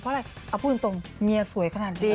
เพราะอะไรเอาพูดตรงเมียสวยขนาดนี้